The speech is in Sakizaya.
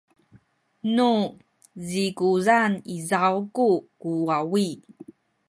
nu zikuzan izaw ku kuwawi